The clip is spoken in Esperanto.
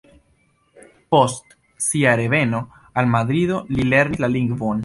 Post sia reveno al Madrido, li lernis la lingvon.